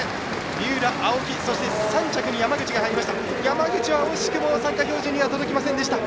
三浦、青木３着に山口が入りました。